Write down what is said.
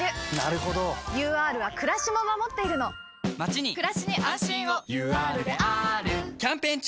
ＵＲはくらしも守っているのまちにくらしに安心をＵＲであーるキャンペーン中！